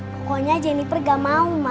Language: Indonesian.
pokoknya jennifer gak mau ma